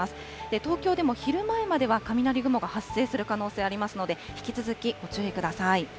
東京でも、昼前までは雷雲が発生する可能性ありますので、引き続きご注意ください。